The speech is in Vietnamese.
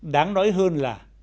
đáng nói hơn là